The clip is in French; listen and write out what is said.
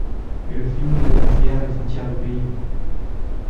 Mais le film ne dépasse guère les frontières du pays.